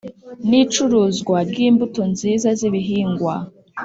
N’ icuruzwa ry’imbuto nziza z’ibihingwa